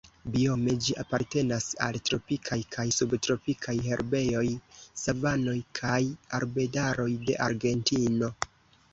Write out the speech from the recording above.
Biome ĝi apartenas al tropikaj kaj subtropikaj herbejoj, savanoj kaj arbedaroj de Argentino.